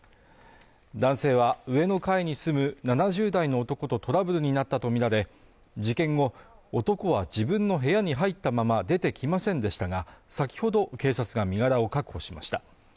男性は上の階に住む７０代の男とトラブルになったとみられ、事件後男は自分の部屋に入ったまま出てきませんでしたが、先ほど警察が身柄を確保しました。